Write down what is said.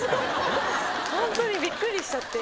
ホントにびっくりしちゃって。